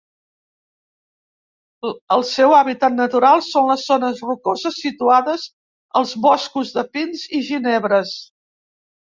El seu hàbitat natural són les zones rocoses situades als boscos de pins i ginebres.